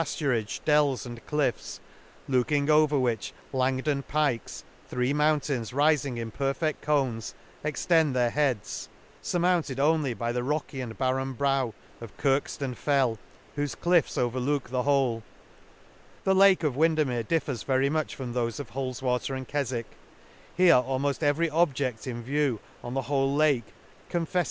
i%i pafturage, dells, and cliffs; looking py^er whiqh Langdon Pikes, three moijntaiijLs rifing in perfed cones, extend their he^ds, fiirmounted only by the rocky and bar ren brow of Kirstone Fell, whofe cliffs overlook the whole, The Lake of Windermere differs very much from thofe of Hu l l s w a t fi R and Keswick; — here almoft every pb? je<5l in view, on the whole Lake confeffe?